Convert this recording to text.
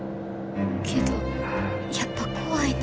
けどやっぱ怖いな。